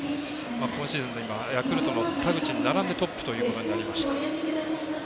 今シーズンでヤクルトの田口に並んでトップということになりました。